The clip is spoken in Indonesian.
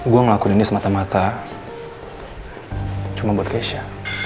gue ngelakuin ini semata mata cuma buat tesya